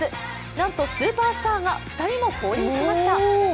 なんとスーパースターが２人も降臨しました。